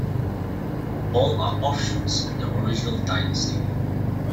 All are offshoots of the original dynasty.